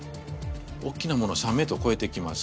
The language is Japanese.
おっきなものは３ｍこえてきます。